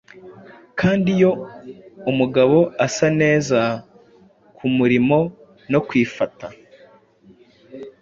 kandi iyo umugabo asa neza Kumurimo no kwifata